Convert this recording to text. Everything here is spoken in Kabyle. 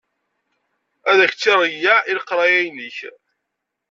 Ad k-tt-ireyyeɛ i leqraya-inek.